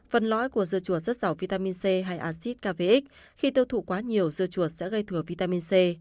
phần lõi của dưa chuột rất giàu vitamin c hay acid kvx khi tiêu thụ quá nhiều dưa chuột sẽ gây thừa vitamin c